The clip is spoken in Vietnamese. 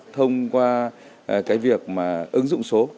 thông qua cái việc mà ứng dụng số